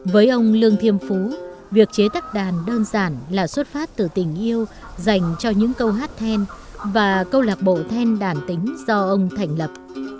với ông lương thiêm phú việc chế tác đàn đơn giản là xuất phát từ tình yêu dành cho những câu hát then và câu lạc bộ then đàn tính do ông thành lập